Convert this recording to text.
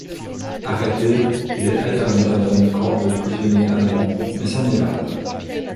Arrêté, il est interné dans un camp de prisonniers allemands, mais s'en évade.